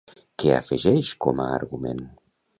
Què afegeix com a argument?